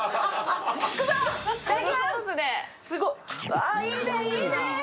ああ、いいね、いいね。